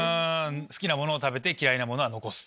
好きなものを食べて嫌いなものは残す。